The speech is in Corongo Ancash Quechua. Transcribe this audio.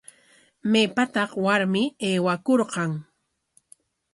¿Maypataq warmi aywakurqan?